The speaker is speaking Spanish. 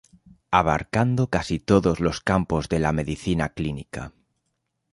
Abarcando casi todo los campos de la medicina clínica.